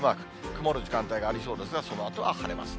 曇る時間帯がありそうですが、そのあとは晴れます。